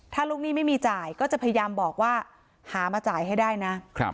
ถ้าลูกหนี้ไม่มีจ่ายก็จะพยายามบอกว่าหามาจ่ายให้ได้นะ